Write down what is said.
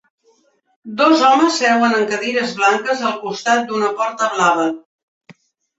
Dos homes seuen en cadires blanques al costat d'una porta blava.